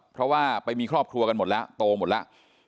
เพราะว่าไปมีครอบครัวกันหมดแล้วโตหมดแล้ว